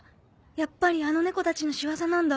やっぱりあの猫たちの仕業なんだ。